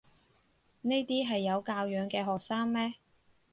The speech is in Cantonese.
呢啲係有教養嘅學生咩？